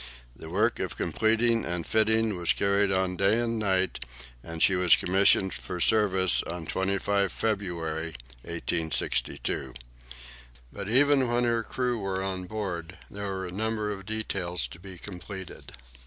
The work of completing and fitting was carried on day and night, and she was commissioned for service on 25 February, 1862. But even when her crew were on board there were a number of details to be completed.